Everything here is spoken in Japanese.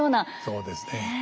そうですね。